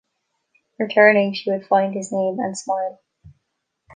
Returning she would find his name, and smile.